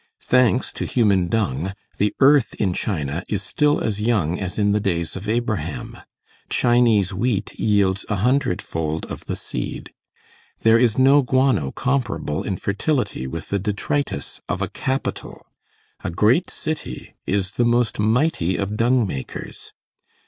Thanks to human dung, the earth in China is still as young as in the days of Abraham. Chinese wheat yields a hundred fold of the seed. There is no guano comparable in fertility with the detritus of a capital. A great city is the most mighty of dung makers.